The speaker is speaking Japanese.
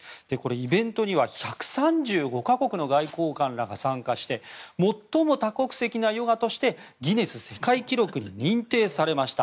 イベントには１３５か国の外交官らが参加して最も多国籍なヨガとしてギネス世界記録に認定されました。